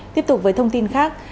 tiếp tục với thông tin khác